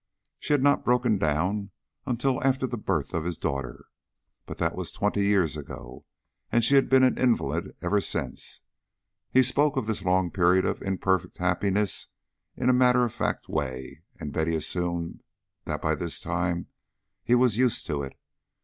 She had not broken down until after the birth of his daughter, but that was twenty years ago, and she had been an invalid ever since. He spoke of this long period of imperfect happiness in a matter of fact way, and Betty assumed that by this time he was used to it.